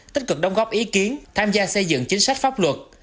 tích cực đóng góp ý kiến tham gia xây dựng chính sách pháp luật